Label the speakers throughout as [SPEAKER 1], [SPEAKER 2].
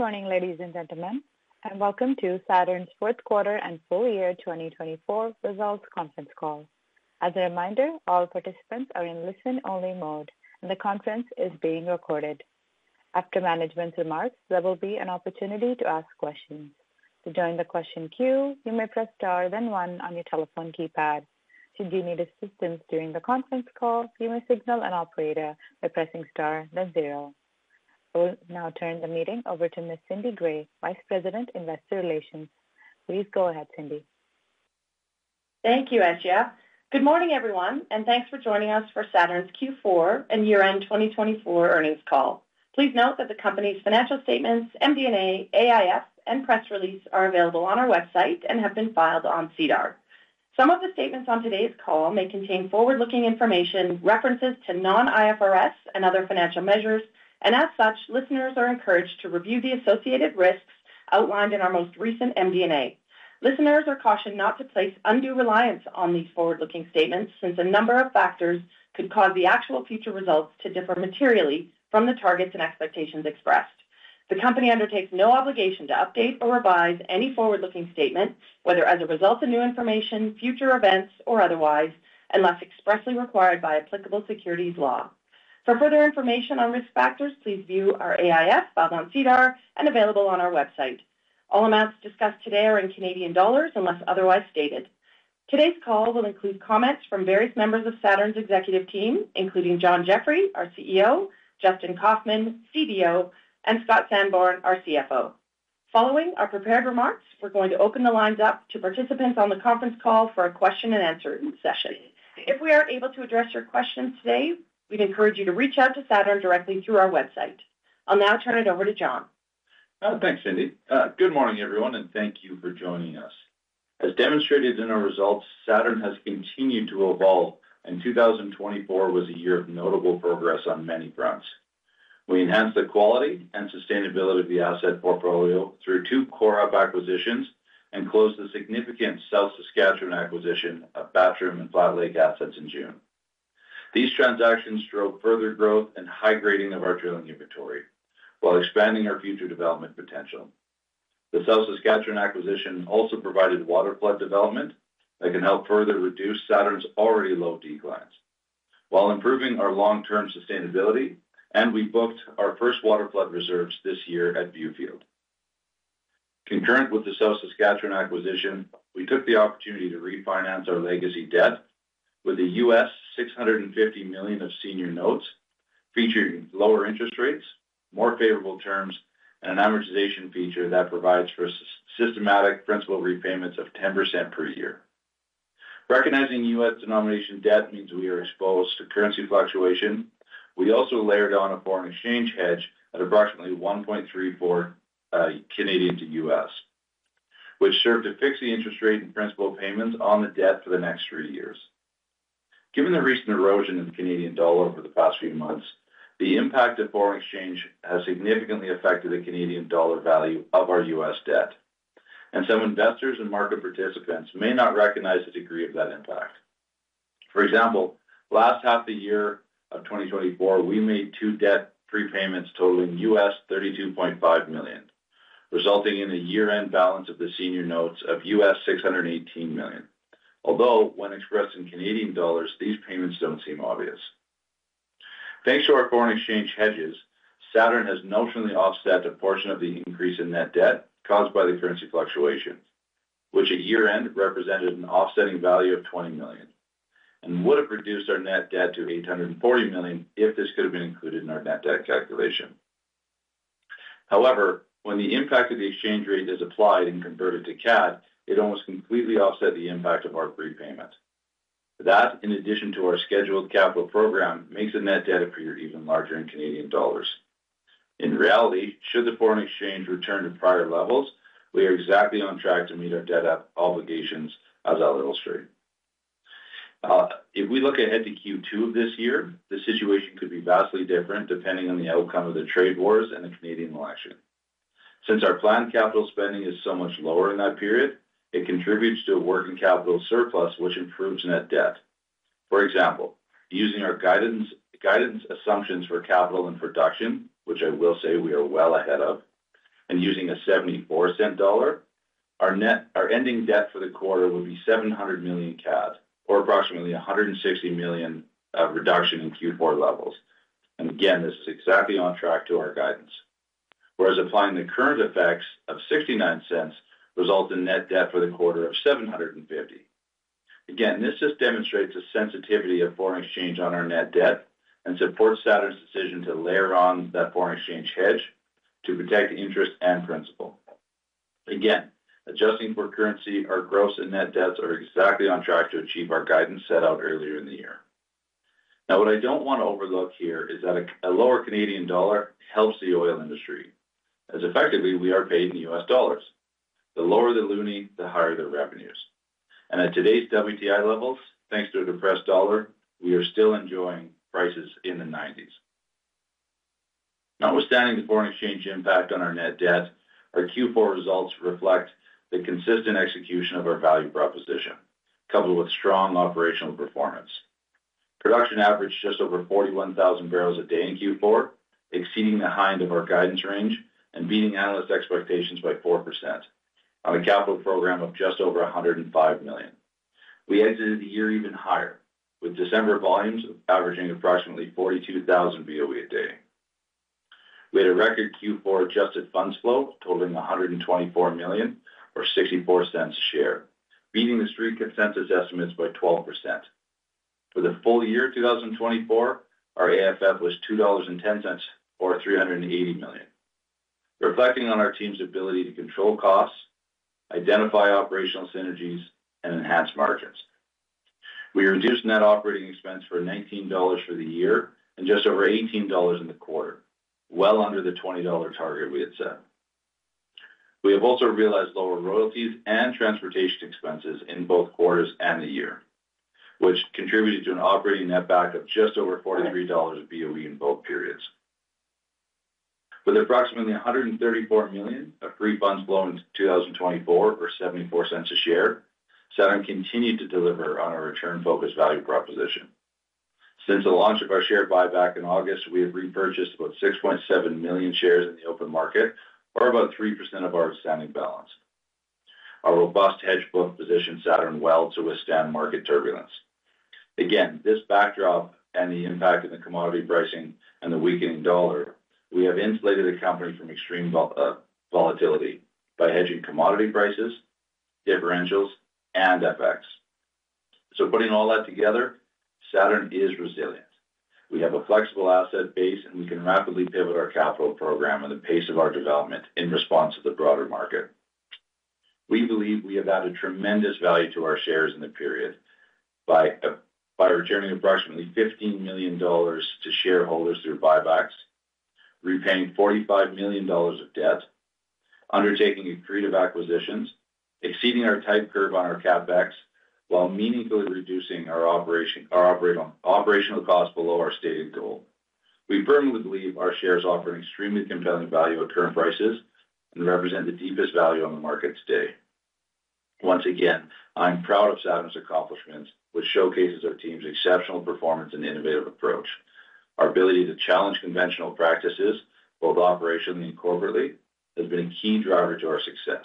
[SPEAKER 1] Good morning, ladies and gentlemen, and welcome to Saturn's fourth quarter and full year 2024 results conference call. As a reminder, all participants are in listen-only mode, and the conference is being recorded. After management's remarks, there will be an opportunity to ask questions. To join the question queue, you may press star then one on your telephone keypad. Should you need assistance during the conference call, you may signal an operator by pressing star then zero. I will now turn the meeting over to Ms. Cindy Gray, Vice President, Investor Relations. Please go ahead, Cindy.
[SPEAKER 2] Thank you, Ayesha. Good morning, everyone, and thanks for joining us for Saturn's Q4 and year-end 2024 earnings call. Please note that the company's financial statements, MD&A, AIF, and press release are available on our website and have been filed on SEDAR. Some of the statements on today's call may contain forward-looking information, references to non-IFRS and other financial measures, and as such, listeners are encouraged to review the associated risks outlined in our most recent MD&A. Listeners are cautioned not to place undue reliance on these forward-looking statements since a number of factors could cause the actual future results to differ materially from the targets and expectations expressed. The company undertakes no obligation to update or revise any forward-looking statement, whether as a result of new information, future events, or otherwise, unless expressly required by applicable securities law. For further information on risk factors, please view our AIF, filed on SEDAR, and available on our website. All amounts discussed today are in CAD unless otherwise stated. Today's call will include comments from various members of Saturn's executive team, including John Jeffrey, our CEO, Justin Kaufmann, CDO, and Scott Sanborn, our CFO. Following our prepared remarks, we're going to open the lines up to participants on the conference call for a question-and-answer session. If we aren't able to address your questions today, we'd encourage you to reach out to Saturn directly through our website. I'll now turn it over to John.
[SPEAKER 3] Thanks, Cindy. Good morning, everyone, and thank you for joining us. As demonstrated in our results, Saturn has continued to evolve, and 2024 was a year of notable progress on many fronts. We enhanced the quality and sustainability of the asset portfolio through two core-up acquisitions and closed the significant South Saskatchewan acquisition of Battrum and Flat Lake assets in June. These transactions drove further growth and high grading of our drilling inventory while expanding our future development potential. The South Saskatchewan acquisition also provided waterflood development that can help further reduce Saturn's already low declines while improving our long-term sustainability, and we booked our first waterflood reserves this year at Newfield. Concurrent with the South Saskatchewan acquisition, we took the opportunity to refinance our legacy debt with a U.S. $650 million of senior notes featuring lower interest rates, more favorable terms, and an amortization feature that provides for systematic principal repayments of 10% per year. Recognizing U.S. denomination debt means we are exposed to currency fluctuation. We also layered on a foreign exchange hedge at approximately 1.34 Canadian to U.S., which served to fix the interest rate and principal payments on the debt for the next three years. Given the recent erosion of the Canadian dollar over the past few months, the impact of foreign exchange has significantly affected the Canadian dollar value of our U.S. debt, and some investors and market participants may not recognize the degree of that impact. For example, last half the year of 2024, we made two debt prepayments totaling $32.5 million, resulting in a year-end balance of the senior notes of U.S. $618 million, although when expressed in CAD, these payments do not seem obvious. Thanks to our foreign exchange hedges, Saturn has notionally offset a portion of the increase in net debt caused by the currency fluctuations, which at year-end represented an offsetting value of $20 million and would have reduced our net debt to 840 million if this could have been included in our net debt calculation. However, when the impact of the exchange rate is applied and converted to CAD, it almost completely offsets the impact of our prepayment. That, in addition to our scheduled capital program, makes the net debt appear even larger in CAD. In reality, should the foreign exchange return to prior levels, we are exactly on track to meet our debt obligations, as I'll illustrate. If we look ahead to Q2 of this year, the situation could be vastly different depending on the outcome of the trade wars and the Canadian election. Since our planned capital spending is so much lower in that period, it contributes to a working capital surplus, which improves net debt. For example, using our guidance assumptions for capital and production, which I will say we are well ahead of, and using a $0.74 dollar, our ending debt for the quarter would be 700 million CAD, or approximately a 160 million reduction in Q4 levels. This is exactly on track to our guidance. Applying the current effects of $0.69 results in net debt for the quarter of 750 million. This just demonstrates the sensitivity of foreign exchange on our net debt and supports Saturn's decision to layer on that foreign exchange hedge to protect interest and principal. Again, adjusting for currency, our gross and net debts are exactly on track to achieve our guidance set out earlier in the year. Now, what I do not want to overlook here is that a lower Canadian dollar helps the oil industry, as effectively we are paid in U.S. dollars. The lower the loonie, the higher the revenues. At today's WTI levels, thanks to a depressed dollar, we are still enjoying prices in the 90s. Notwithstanding the foreign exchange impact on our net debt, our Q4 results reflect the consistent execution of our value proposition, coupled with strong operational performance. Production averaged just over 41,000 barrels a day in Q4, exceeding the high end of our guidance range and beating analyst expectations by 4% on a capital program of just over 105 million. We exited the year even higher, with December volumes averaging approximately 42,000 BOE a day. We had a record Q4 adjusted funds flow totaling 124 million, or 0.64 a share, beating the street consensus estimates by 12%. For the full year 2024, our AFF was 2.10 dollars, or 380 million, reflecting on our team's ability to control costs, identify operational synergies, and enhance margins. We reduced net operating expense to 19 dollars for the year and just over 18 dollars in the quarter, well under the 20 dollar target we had set. We have also realized lower royalties and transportation expenses in both quarters and the year, which contributed to an operating net back of just over 43 dollars BOE in both periods. With approximately 134 million of free funds flow in 2024, or 0.74 a share, Saturn continued to deliver on our return-focused value proposition. Since the launch of our share buyback in August, we have repurchased about 6.7 million shares in the open market, or about 3% of our outstanding balance. Our robust hedge book positioned Saturn well to withstand market turbulence. Against this backdrop and the impact of the commodity pricing and the weakening dollar, we have insulated the company from extreme volatility by hedging commodity prices, differentials, and FX. Putting all that together, Saturn is resilient. We have a flexible asset base, and we can rapidly pivot our capital program and the pace of our development in response to the broader market. We believe we have added tremendous value to our shares in the period by returning approximately 15 million dollars to shareholders through buybacks, repaying 45 million dollars of debt, undertaking accretive acquisitions, exceeding our type curve on our CapEx while meaningfully reducing our operational costs below our stated goal. We firmly believe our shares offer an extremely compelling value at current prices and represent the deepest value on the market today. Once again, I'm proud of Saturn's accomplishments, which showcases our team's exceptional performance and innovative approach. Our ability to challenge conventional practices, both operationally and corporately, has been a key driver to our success.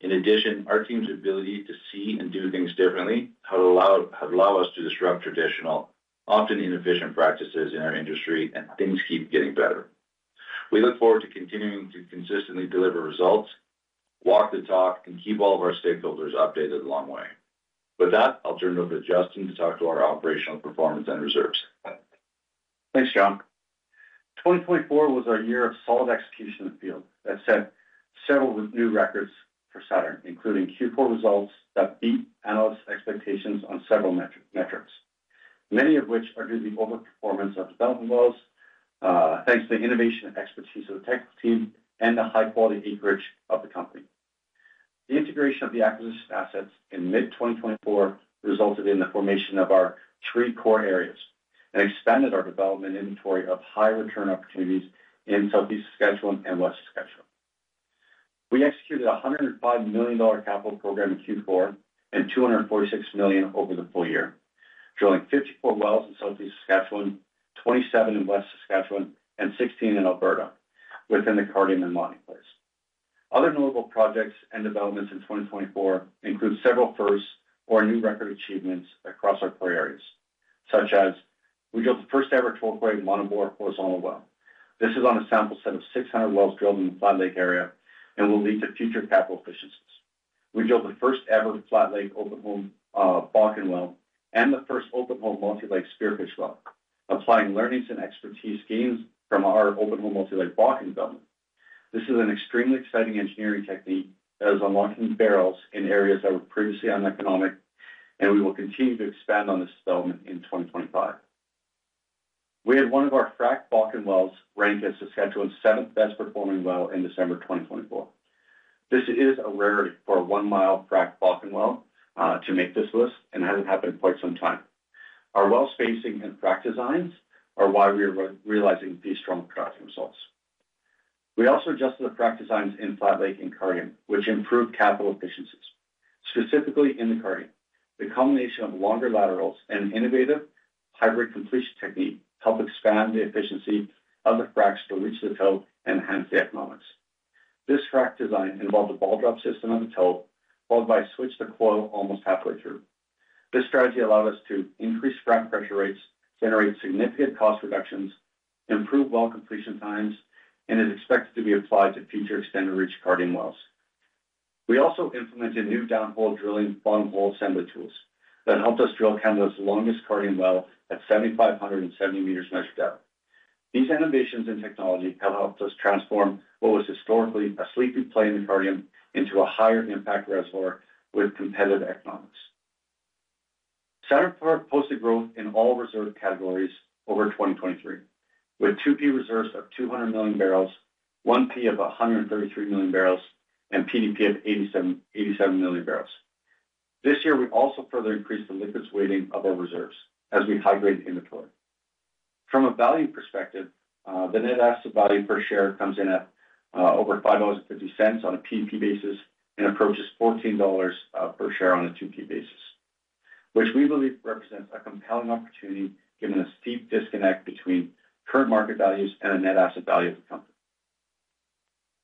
[SPEAKER 3] In addition, our team's ability to see and do things differently has allowed us to disrupt traditional, often inefficient practices in our industry, and things keep getting better. We look forward to continuing to consistently deliver results, walk the talk, and keep all of our stakeholders updated the long way. With that, I'll turn it over to Justin to talk to our operational performance and reserves.
[SPEAKER 4] Thanks, John. 2024 was our year of solid execution in the field. That said, several new records for Saturn, including Q4 results that beat analyst expectations on several metrics, many of which are due to the overperformance of development wells, thanks to the innovation and expertise of the technical team and the high-quality acreage of the company. The integration of the acquisition assets in mid-2024 resulted in the formation of our three core areas and expanded our development inventory of high-return opportunities in Southeast Saskatchewan and West Saskatchewan. We executed a 105 million dollar capital program in Q4 and 246 million over the full year, drilling 54 wells in Southeast Saskatchewan, 27 in West Saskatchewan, and 16 in Alberta within the Cardium mining place. Other notable projects and developments in 2024 include several firsts or new record achievements across our core areas, such as we drilled the first-ever 12-way monobore horizontal well. This is on a sample set of 600 wells drilled in the Flat Lake area and will lead to future capital efficiencies. We drilled the first-ever Flat Lake open-hole Bakken well and the first open-hole multi-leg Spearfish well, applying learnings and expertise gains from our open-hole multi-leg Bakken development. This is an extremely exciting engineering technique that is unlocking barrels in areas that were previously uneconomic, and we will continue to expand on this development in 2025. We had one of our fracked Bakken wells ranked as Saskatchewan's seventh best-performing well in December 2024. This is a rarity for a one-mile fracked Bakken well to make this list, and it hasn't happened in quite some time. Our well spacing and frack designs are why we are realizing these strong production results. We also adjusted the frack designs in Flat Lake and Cardium, which improved capital efficiencies. Specifically in the Cardium, the combination of longer laterals and an innovative hybrid completion technique helped expand the efficiency of the fracks to reach the toe and enhance the economics. This frack design involved a ball drop system on the toe, followed by a switch to coil almost halfway through. This strategy allowed us to increase frack pressure rates, generate significant cost reductions, improve well completion times, and is expected to be applied to future extended-reach Cardium wells. We also implemented new downhole drilling bottom-hole assembly tools that helped us drill Canada's longest Cardium well at 7,570 meters measured depth. These innovations in technology have helped us transform what was historically a sleepy play in the Cardium into a higher impact reservoir with competitive economics. Saturn Oil & Gas posted growth in all reserve categories over 2023, with 2P reserves of 200 million barrels, 1P of 133 million barrels, and PDP of 87 million barrels. This year, we also further increased the liquids weighting of our reserves as we high-grade inventory. From a value perspective, the net asset value per share comes in at over 5.50 on a PDP basis and approaches 14 dollars per share on a 2P basis, which we believe represents a compelling opportunity given the steep disconnect between current market values and the net asset value of the company.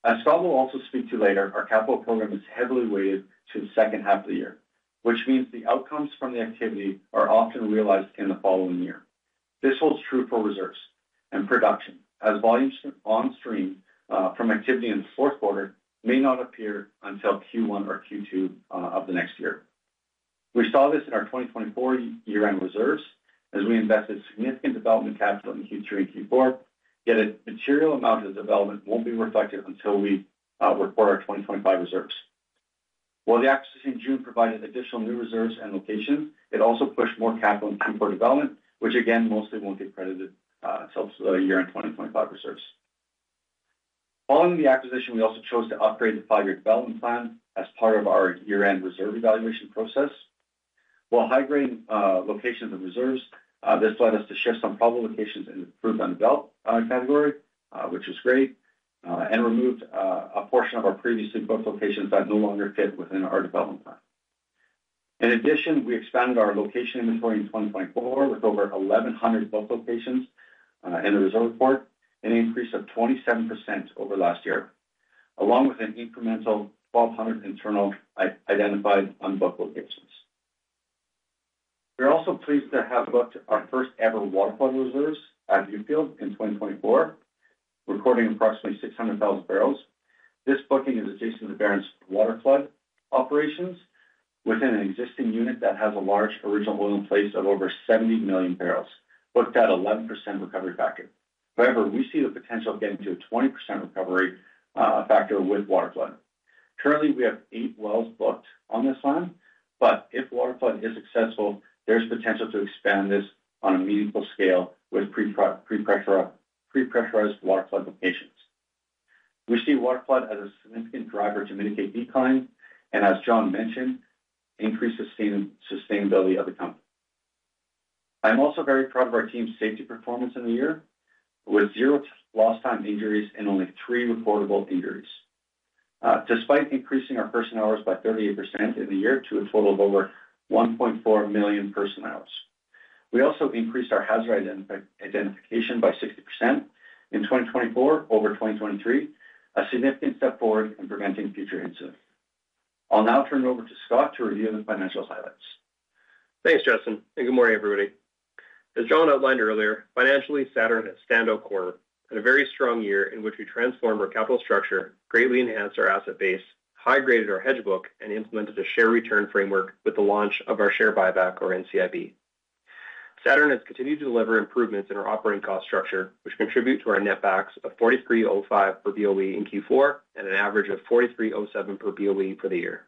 [SPEAKER 4] As Scott will also speak to later, our capital program is heavily weighted to the second half of the year, which means the outcomes from the activity are often realized in the following year. This holds true for reserves and production, as volumes on stream from activity in the fourth quarter may not appear until Q1 or Q2 of the next year. We saw this in our 2024 year-end reserves as we invested significant development capital in Q2 and Q4, yet a material amount of development will not be reflected until we report our 2025 reserves. While the acquisition in June provided additional new reserves and locations, it also pushed more capital into Q4 development, which again, mostly will not get credited until the year-end 2025 reserves. Following the acquisition, we also chose to upgrade the five-year development plan as part of our year-end reserve evaluation process. While high-grade locations of reserves, this led us to shift some problem locations in the proved and developed category, which was great, and removed a portion of our previously booked locations that no longer fit within our development plan. In addition, we expanded our location inventory in 2024 with over 1,100 booked locations in the reserve report, an increase of 27% over last year, along with an incremental 1,200 internal identified unbooked locations. We're also pleased to have booked our first-ever waterflood reserves at Newfield in 2024, recording approximately 600,000 barrels. This booking is adjacent to Battrum's waterflood operations within an existing unit that has a large original oil in place of over 70 million barrels, booked at 11% recovery factor. However, we see the potential of getting to a 20% recovery factor with waterflood. Currently, we have eight wells booked on this line, but if waterflood is successful, there's potential to expand this on a meaningful scale with pre-pressurized waterflood locations. We see waterflood as a significant driver to mitigate decline and, as John mentioned, increase sustainability of the company. I'm also very proud of our team's safety performance in the year, with zero loss time injuries and only three reportable injuries, despite increasing our person hours by 38% in the year to a total of over 1.4 million person hours. We also increased our hazard identification by 60% in 2024 over 2023, a significant step forward in preventing future incidents. I'll now turn it over to Scott to review the financial highlights.
[SPEAKER 5] Thanks, Justin. Good morning, everybody. As John outlined earlier, financially, Saturn is a standout quarter, and a very strong year in which we transformed our capital structure, greatly enhanced our asset base, high-graded our hedge book, and implemented a share return framework with the launch of our share buyback, or NCIB. Saturn has continued to deliver improvements in our operating cost structure, which contribute to our net backs of 43.05 per BOE in Q4 and an average of 43.07 per BOE for the year.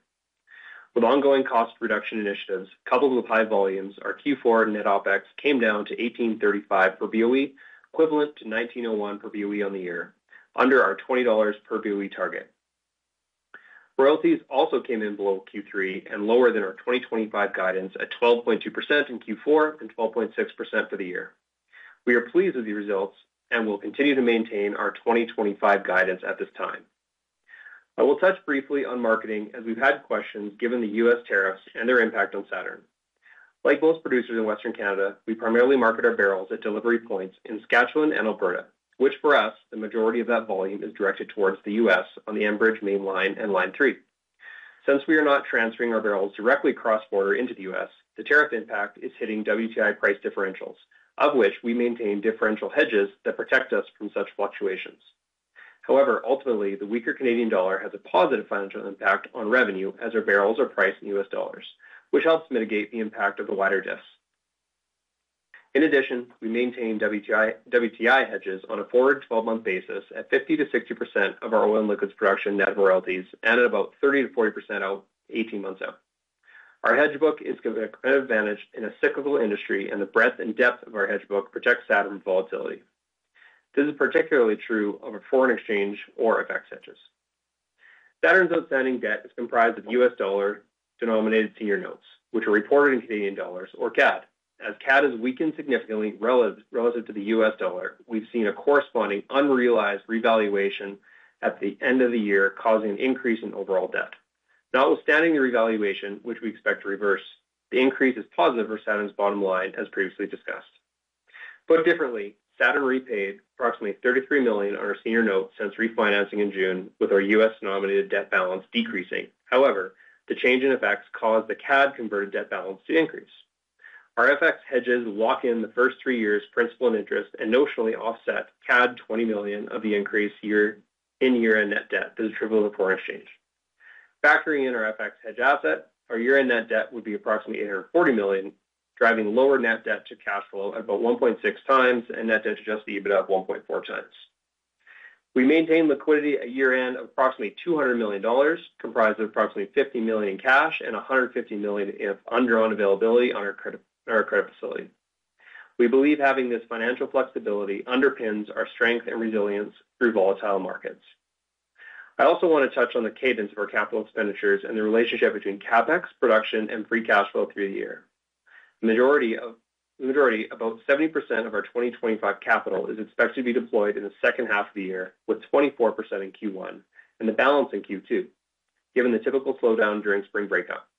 [SPEAKER 5] With ongoing cost reduction initiatives coupled with high volumes, our Q4 net OPEX came down to 1.835 per BOE, equivalent to 1.901 per BOE on the year, under our 20 dollars per BOE target. Royalties also came in below Q3 and lower than our 2025 guidance at 12.2% in Q4 and 12.6% for the year. We are pleased with the results and will continue to maintain our 2025 guidance at this time. I will touch briefly on marketing as we've had questions given the U.S. tariffs and their impact on Saturn. Like most producers in Western Canada, we primarily market our barrels at delivery points in Saskatchewan and Alberta, which for us, the majority of that volume is directed towards the U.S. on the Enbridge Mainline and Line 3. Since we are not transferring our barrels directly cross-border into the U.S., the tariff impact is hitting WTI price differentials, of which we maintain differential hedges that protect us from such fluctuations. However, ultimately, the weaker Canadian dollar has a positive financial impact on revenue as our barrels are priced in U.S. dollars, which helps mitigate the impact of the wider diffs. In addition, we maintain WTI hedges on a forward 12-month basis at 50%-60% of our oil and liquids production net royalties and at about 30%-40% out 18 months out. Our hedge book is given an advantage in a cyclical industry, and the breadth and depth of our hedge book protects Saturn from volatility. This is particularly true of our foreign exchange or FX hedges. Saturn's outstanding debt is comprised of U.S. dollar-denominated senior notes, which are reported in Canadian dollars, or CAD. As CAD has weakened significantly relative to the U.S. dollar, we've seen a corresponding unrealized revaluation at the end of the year, causing an increase in overall debt. Notwithstanding the revaluation, which we expect to reverse, the increase is positive for Saturn's bottom line, as previously discussed. Put differently, Saturn repaid approximately 33 million on our senior notes since refinancing in June, with our U.S.-denominated debt balance decreasing. However, the change in FX caused the CAD-converted debt balance to increase. Our FX hedges lock in the first three years' principal and interest and notionally offset CAD 20 million of the increase in year-end net debt that is triple the foreign exchange. Factoring in our FX hedge asset, our year-end net debt would be approximately 840 million, driving lower net debt to cash flow at about 1.6 times and net debt to adjusted EBITDA of 1.4 times. We maintain liquidity at year-end of approximately 200 million dollars, comprised of approximately 50 million in cash and 150 million in undrawn availability on our credit facility. We believe having this financial flexibility underpins our strength and resilience through volatile markets. I also want to touch on the cadence of our capital expenditures and the relationship between CapEx, production, and free cash flow through the year. The majority, about 70% of our 2025 capital, is expected to be deployed in the second half of the year, with 24% in Q1 and the balance in Q2, given the typical slowdown during spring breakup.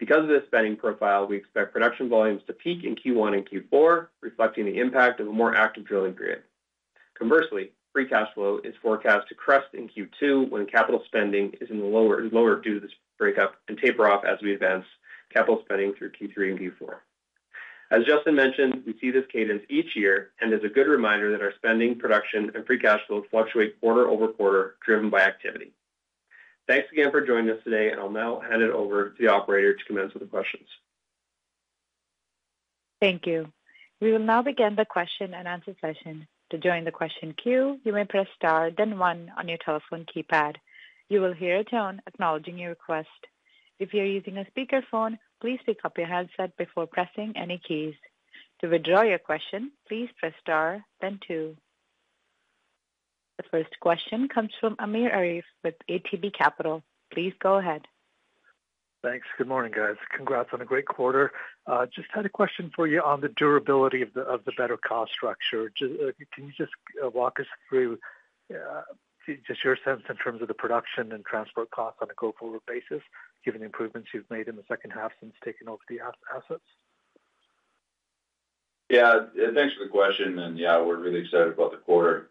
[SPEAKER 5] Because of this spending profile, we expect production volumes to peak in Q1 and Q4, reflecting the impact of a more active drilling period. Conversely, free cash flow is forecast to crest in Q2 when capital spending is lower due to this breakup and taper off as we advance capital spending through Q3 and Q4. As Justin mentioned, we see this cadence each year and it is a good reminder that our spending, production, and free cash flow fluctuate quarter over quarter, driven by activity. Thanks again for joining us today, and I'll now hand it over to the operator to commence with the questions.
[SPEAKER 1] Thank you. We will now begin the question and answer session. To join the question queue, you may press star, then one on your telephone keypad. You will hear a tone acknowledging your request. If you're using a speakerphone, please pick up your headset before pressing any keys. To withdraw your question, please press star, then two. The first question comes from Amir Arif with ATB Capital. Please go ahead.
[SPEAKER 6] Thanks. Good morning, guys. Congrats on a great quarter. Just had a question for you on the durability of the better cost structure. Can you just walk us through just your sense in terms of the production and transport costs on a go-forward basis, given the improvements you've made in the second half since taking over the assets?
[SPEAKER 3] Yeah, thanks for the question. Yeah, we're really excited about the quarter.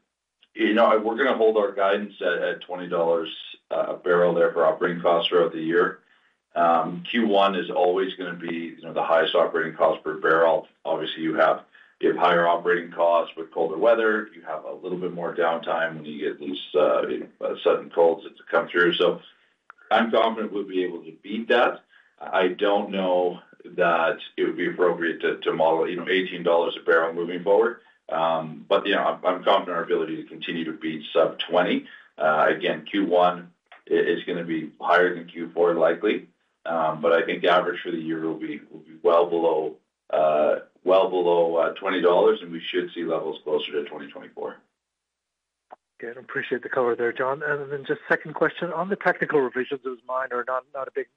[SPEAKER 3] You know, we're going to hold our guidance at 20 dollars a barrel there for operating costs throughout the year. Q1 is always going to be the highest operating cost per barrel. Obviously, you have higher operating costs with colder weather. You have a little bit more downtime when you get these sudden colds to come through. I'm confident we'll be able to beat that. I don't know that it would be appropriate to model 18 dollars a barrel moving forward. Yeah, I'm confident in our ability to continue to beat sub-20. Again, Q1 is going to be higher than Q4 likely, but I think the average for the year will be well below 20 dollars, and we should see levels closer to 2024.
[SPEAKER 6] Good. Appreciate the cover there, John. Just second question on the technical revisions, it was minor, not a big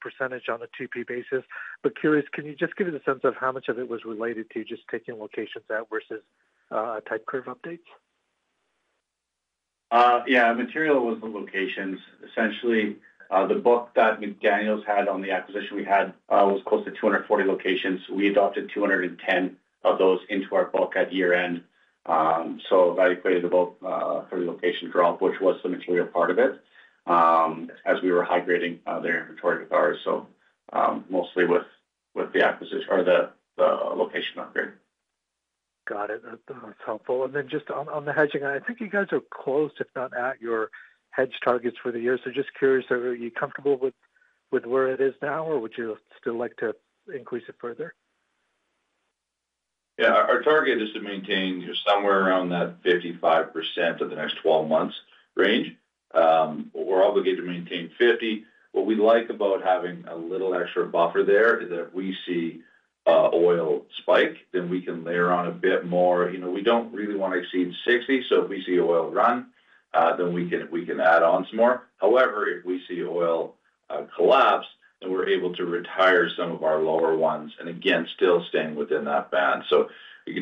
[SPEAKER 6] percentage on a 2P basis. Curious, can you just give us a sense of how much of it was related to just taking locations out versus type curve updates?
[SPEAKER 3] Yeah, material was the locations. Essentially, the book that McDaniel & Associates had on the acquisition we had was close to 240 locations. We adopted 210 of those into our book at year-end. That equated to about a 30 location drop, which was the material part of it, as we were high-grading their inventory with ours. Mostly with the acquisition or the location upgrade.
[SPEAKER 6] Got it. That's helpful. Just on the hedging, I think you guys are close, if not at, your hedge targets for the year. Just curious, are you comfortable with where it is now, or would you still like to increase it further?
[SPEAKER 3] Yeah, our target is to maintain somewhere around that 55% of the next 12 months range. We're obligated to maintain 50%. What we like about having a little extra buffer there is that if we see oil spike, then we can layer on a bit more. We don't really want to exceed 60%. If we see oil run, then we can add on some more. However, if we see oil collapse, then we're able to retire some of our lower ones and again, still staying within that band.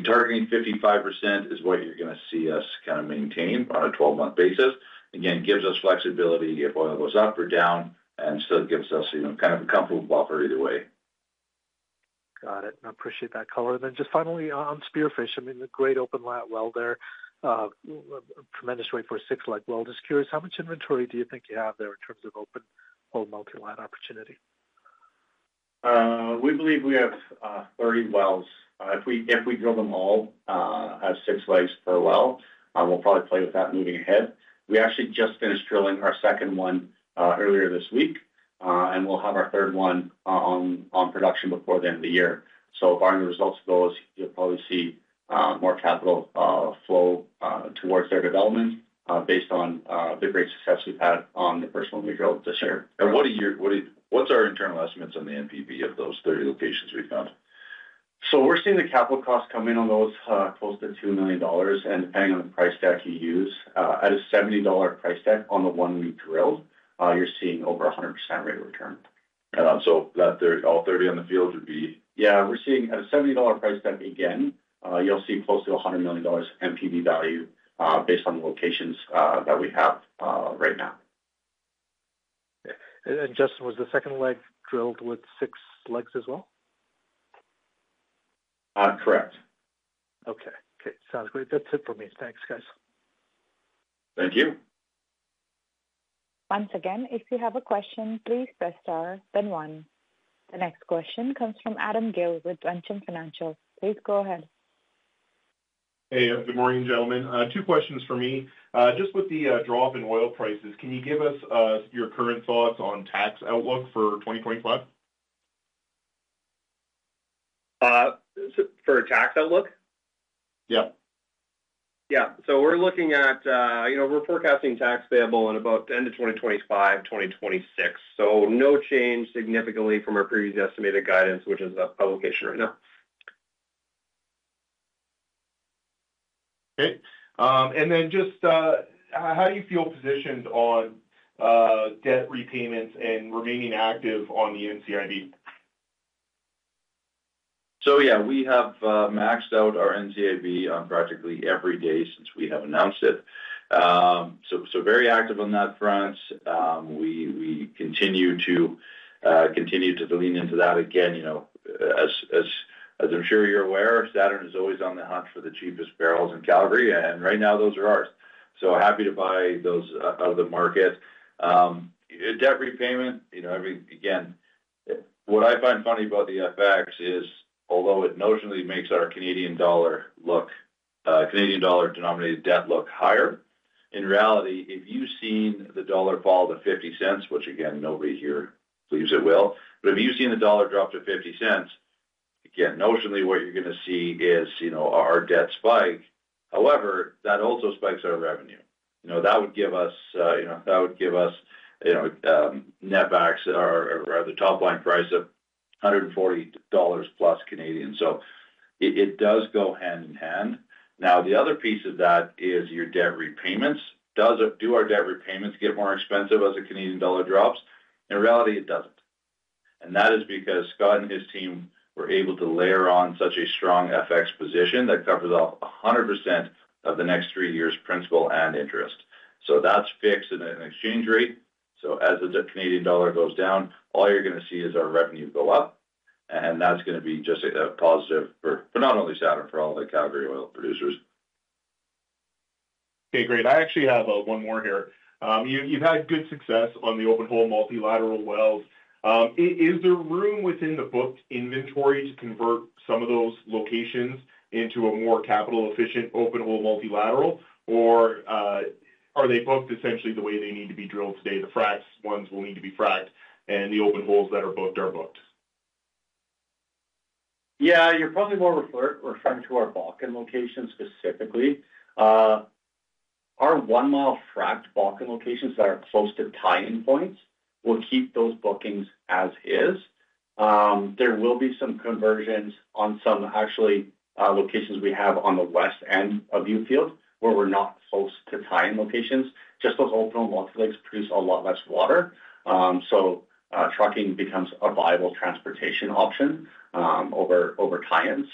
[SPEAKER 3] Targeting 55% is what you're going to see us kind of maintain on a 12-month basis. Again, it gives us flexibility if oil goes up or down and still gives us kind of a comfortable buffer either way.
[SPEAKER 6] Got it. I appreciate that color. Just finally, on Spearfish, I mean, the great open lat well there, tremendous rate for a six-leg well. Just curious, how much inventory do you think you have there in terms of open hole multi-lat opportunity?
[SPEAKER 3] We believe we have 30 wells. If we drill them all at six legs per well, we'll probably play with that moving ahead. We actually just finished drilling our second one earlier this week, and we'll have our third one on production before the end of the year. If our results go as you'll probably see more capital flow towards their development based on the great success we've had on the personal and the drill this year. What's our internal estimates on the NPV of those 30 locations we've found? We're seeing the capital cost come in on those close to 2 million dollars. Depending on the price stack you use, at a $70 price stack on the one we drill, you're seeing over 100% rate of return. All 30 on the field would be. Yeah, we're seeing at a $70 price stack again, you'll see close to $100 million NPV value based on the locations that we have right now.
[SPEAKER 6] Justin, was the second leg drilled with six legs as well?
[SPEAKER 4] Correct.
[SPEAKER 6] Okay. Okay. Sounds great. That's it for me. Thanks, guys.
[SPEAKER 3] Thank you.
[SPEAKER 1] Once again, if you have a question, please press star, then one. The next question comes from Adam Gill with Cormark Securities. Please go ahead.
[SPEAKER 7] Hey, good morning, gentlemen. Two questions for me. Just with the drop in oil prices, can you give us your current thoughts on tax outlook for 2025?
[SPEAKER 5] For tax outlook.
[SPEAKER 7] Yeah.
[SPEAKER 5] Yeah. We're looking at we're forecasting tax payable in about the end of 2025, 2026. No change significantly from our previous estimated guidance, which is a publication right now.
[SPEAKER 7] Okay. How do you feel positioned on debt repayments and remaining active on the NCIB?
[SPEAKER 3] Yeah, we have maxed out our NCIB on practically every day since we have announced it. Very active on that front. We continue to lean into that. Again, as I'm sure you're aware, Saturn is always on the hunt for the cheapest barrels in Calgary, and right now those are ours. Happy to buy those out of the market. Debt repayment, again, what I find funny about the FX is, although it notionally makes our Canadian dollar-denominated debt look higher, in reality, if you've seen the dollar fall to $0.50, which again, nobody here believes it will, but if you've seen the dollar drop to $0.50, again, notionally what you're going to see is our debt spike. However, that also spikes our revenue. That would give us netbacks or the top line price of 140 dollars plus. It does go hand in hand. Now, the other piece of that is your debt repayments. Do our debt repayments get more expensive as the Canadian dollar drops? In reality, it doesn't. That is because Scott and his team were able to layer on such a strong FX position that covers off 100% of the next three years' principal and interest. That is fixed at an exchange rate. As the Canadian dollar goes down, all you're going to see is our revenue go up, and that is going to be just a positive for not only Saturn, for all the Calgary oil producers.
[SPEAKER 7] Okay, great. I actually have one more here. You've had good success on the open hole multilateral wells. Is there room within the booked inventory to convert some of those locations into a more capital-efficient open hole multilateral, or are they booked essentially the way they need to be drilled today? The fracks ones will need to be fracked, and the open holes that are booked are booked.
[SPEAKER 3] Yeah, you're probably more referring to our Bakken locations specifically. Our one-mile fracked Bakken locations that are close to tie-in points will keep those bookings as is. There will be some conversions on some actual locations we have on the west end of Newfield where we're not close to tie-in locations. Just those open hole multi-legs produce a lot less water. Trucking becomes a viable transportation option over tie-ins.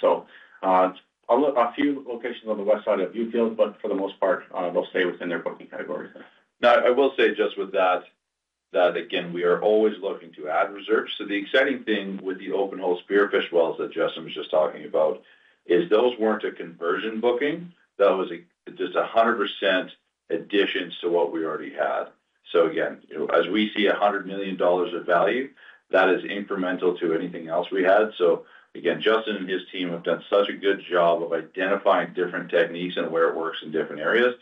[SPEAKER 3] A few locations on the west side of Newfield, but for the most part, they'll stay within their booking categories. Now, I will say just with that, that again, we are always looking to add reserves. The exciting thing with the open hole Spearfish wells that Justin was just talking about is those were not a conversion booking. That was just 100% additions to what we already had. Again, as we see $100 million of value, that is incremental to anything else we had. Again, Justin and his team have done such a good job of identifying different techniques and where it works in different areas.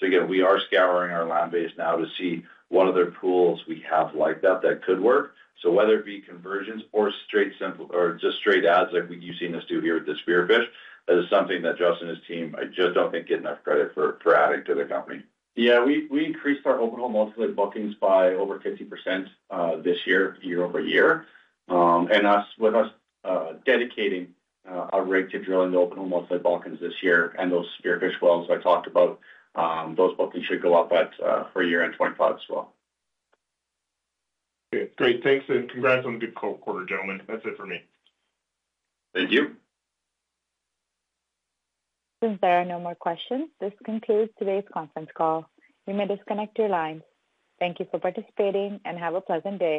[SPEAKER 3] Again, we are scouring our land base now to see what other pools we have like that that could work. Whether it be conversions or just straight ads like what you've seen us do here with the spearfish, that is something that Justin and his team, I just do not think get enough credit for adding to the company. Yeah, we increased our open hole multi-legs bookings by over 50% this year, year over year. With us dedicating a rate to drilling the open hole multi-legs this year and those spearfish wells I talked about, those bookings should go up for year-end 2025 as well.
[SPEAKER 7] Great. Thanks. Congrats on a good quarter, gentlemen. That's it for me.
[SPEAKER 3] Thank you.
[SPEAKER 1] Since there are no more questions, this concludes today's conference call. You may disconnect your lines. Thank you for participating and have a pleasant day.